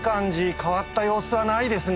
変わった様子はないですね。